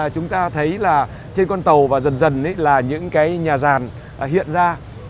chúng ta thấy là trên con tàu và dần dần là những cái nhà ràn hiện ra